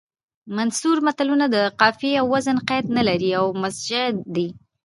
منثور متلونه د قافیې او وزن قید نه لري او مسجع دي